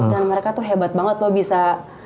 dan mereka tuh hebat banget loh bisa